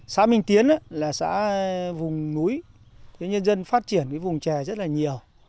xã minh tiến là xã vùng núi nhân dân phát triển cái vùng trè rất là nhiều